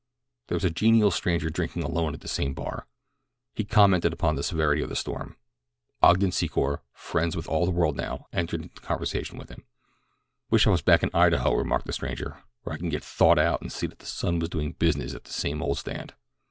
There was a genial stranger drinking alone at the same bar. He commented upon the severity of the storm. Ogden Secor, friends with all the world now, entered into conversation with him. "Wish I was back in Idaho," remarked the stranger, "where I could get thawed out and see that the sun was doing business at the same old stand."